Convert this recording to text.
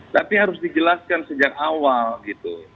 tapi harus dijelaskan sejak awal gitu